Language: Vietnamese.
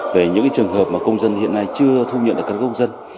về những trường hợp mà công dân hiện nay chưa thu nhận